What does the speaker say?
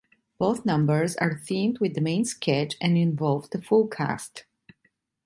Both numbers are themed with the main sketch and involve the full cast.